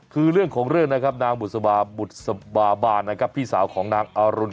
คือเรื่องของเรื่องนะครับนางบุษบาบาพี่สาวของนางอรุณ